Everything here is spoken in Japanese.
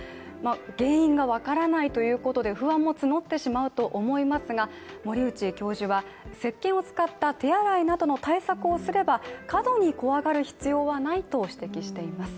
原因がわからないということで不安も募ってしまうと思いますが、森内教授は石鹸を使った手洗いなどの対策をすれば、過度に怖がる必要はないと指摘しています。